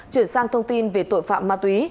chuyển sang thông tin về tội phạm ma túy